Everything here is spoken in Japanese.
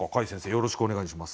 よろしくお願いします。